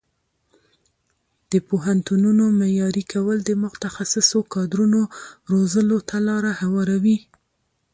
د پوهنتونونو معیاري کول د متخصصو کادرونو روزلو ته لاره هواروي.